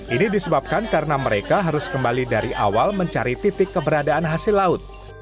ini disebabkan karena mereka harus kembali dari awal mencari titik keberadaan hasil laut